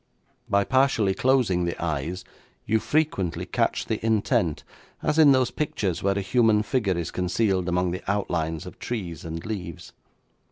By partially closing the eyes you frequently catch the intent, as in those pictures where a human figure is concealed among the outlines of trees and leaves.